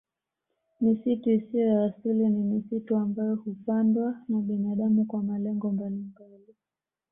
Misitu isiyo ya asili ni misitu ambayo hupandwa na binadamu kwa malengo mbalimbali